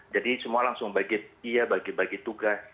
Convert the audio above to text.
jadi semua langsung bagi iya bagi bagi tugas